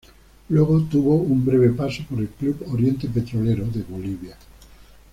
Luego tuvo un breve paso por el club Oriente Petrolero, de Bolivia.